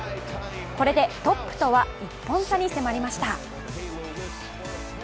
これでトップとは１本差に迫りました。